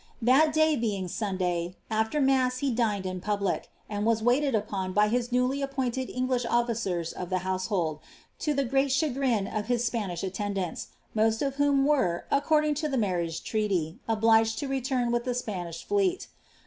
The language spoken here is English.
That duy being Sun day, afler mass he dined in public, and was waited upon by his iiowly appointed English officers of the household, to the great chagrin of hia Spanish attendants, moat of whom were, according to the marrisge ireaty, obliged to return with the Spanish lleet.